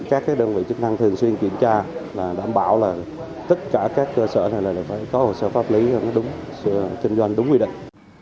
các đơn vị chức năng thường xuyên kiểm tra đảm bảo tất cả các cơ sở này phải có hồ sơ pháp lý kinh doanh đúng quy định